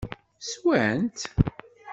Swan-tt?